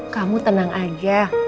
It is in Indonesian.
kamu tenang aja